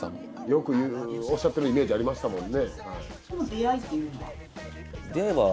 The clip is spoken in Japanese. よくおっしゃってるイメージありましたもんね。